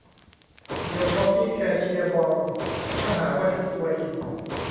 เดี๋ยวพอพี่แกเชียร์บอลก็หาว่าชุบตัวอีก